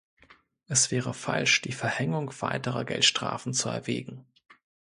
Es wäre falsch, die Verhängung weiterer Geldstrafen zu erwägen.